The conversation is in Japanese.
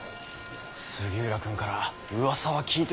杉浦君からうわさは聞いております。